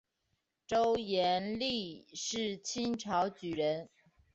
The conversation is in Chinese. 周廷励是清朝举人。